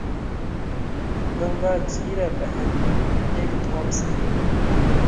“ڳنڳا جِي رئہ پاهئہ هيڪ ڌوم سئہ